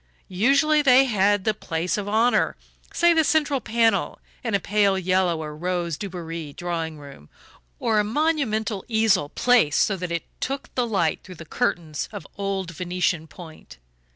Usually they had the place of honour say the central panel in a pale yellow or rose Dubarry drawing room, or a monumental easel placed so that it took the light through curtains of old Venetian point.